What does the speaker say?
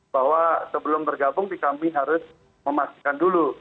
bahwa sebelum bergabung kami harus memastikan dulu